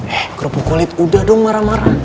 eh kerupuk kulit udah dong marah marah